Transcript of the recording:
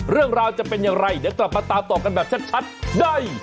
เรื่องราวจะเป็นอย่างไรเดี๋ยวกลับมาตามต่อกันแบบชัดได้